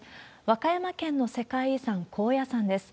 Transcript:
和歌山県の世界遺産、高野山です。